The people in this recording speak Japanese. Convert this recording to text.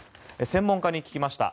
専門家に聞きました。